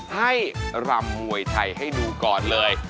รำมวยไทยให้ดูก่อนเลย